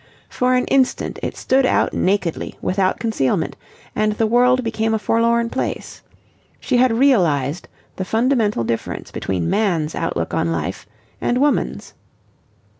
For an instant it stood out nakedly without concealment, and the world became a forlorn place. She had realized the fundamental difference between man's outlook on life and woman's.